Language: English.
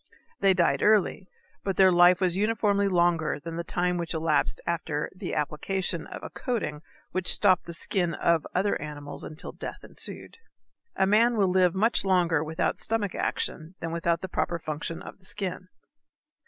They died early, but their life was uniformly longer than the time which elapsed after the application of a coating which stopped the skin of other animals until death ensued. A man will live much longer without stomach action than without the proper functions of the skin.